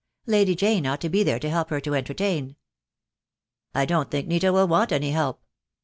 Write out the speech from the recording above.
Lady Jane ought to be there to help her to entertain." "I don't think Nita will want any help.